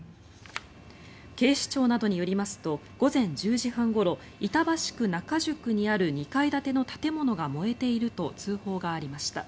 警視庁などによりますと午前１０時半ごろ板橋区仲宿にある２階建ての建物が燃えていると通報がありました。